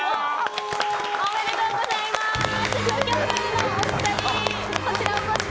おめでとうございます！